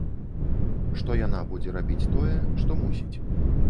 Што яна будзе рабіць тое, што мусіць.